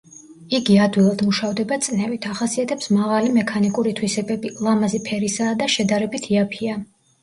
იგი ადვილად მუშავდება წნევით, ახასიათებს მაღალი მექანიკური თვისებები, ლამაზი ფერისაა და შედარებით იაფია.